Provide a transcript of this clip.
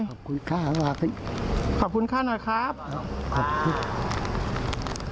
ขอบคุณค่ะขอบคุณค่ะหน่อยครับขอบคุณค่ะ